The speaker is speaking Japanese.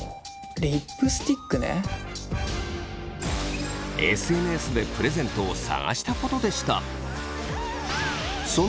リップスティックねＳＮＳでプレゼントを探したことでした。